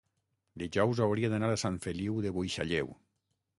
dijous hauria d'anar a Sant Feliu de Buixalleu.